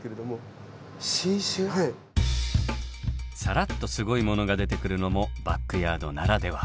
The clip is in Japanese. さらっとすごいものが出てくるのもバックヤードならでは。